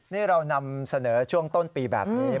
นี่เรานำเสนอช่วงต้นปีแบบนี้